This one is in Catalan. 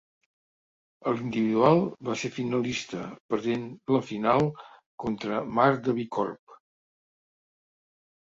A l'Individual, va ser finalista, perdent la final contra Mar de Bicorb.